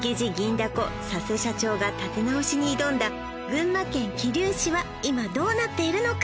だこ佐瀬社長が立て直しに挑んだ群馬県桐生市は今どうなっているのか